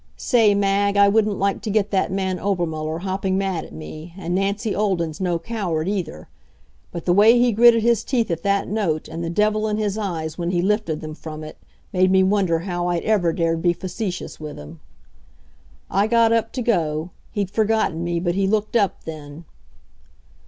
Say, Mag, I wouldn't like to get that man Obermuller hopping mad at me, and Nancy Olden's no coward, either. But the way he gritted his teeth at that note and the devil in his eyes when he lifted them from it, made me wonder how I'd ever dared be facetious with him. I got up to go. He'd forgotten me, but he looked up then.